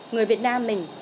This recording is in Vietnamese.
người việt nam mình